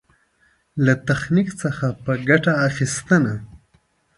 له تخنيک څخه په ګټه اخېستنه.